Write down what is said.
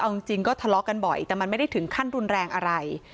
เอาจริงก็ทะเลาะกันบ่อยแต่มันไม่ได้ถึงขั้นรุนแรงอะไร